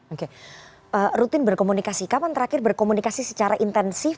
oke rutin berkomunikasi kapan terakhir berkomunikasi secara intensif